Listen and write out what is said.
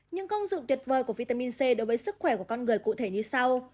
những công dụng tuyệt vời của vitamin c đối với sức khỏe của con người cụ thể như sau